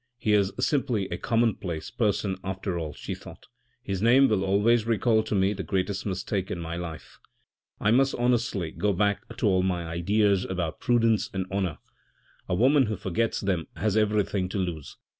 M He is simply a commonplace person after all," she thought, " his name will always recall to me the greatest mistake in my THE MINISTRY OF VIRTUE 413 life. I must honestly go back to all my ideas about prudence and honour ; a woman who forgets them has everything to lose."